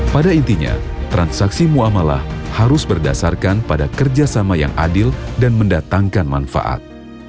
pada intinya transaksi ⁇ muamalah harus berdasarkan pada kerjasama yang adil dan mendatangkan manfaat